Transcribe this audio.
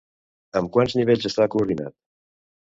En quants nivells està coordinat?